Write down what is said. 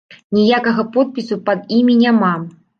Ніякага подпісу пад імі няма.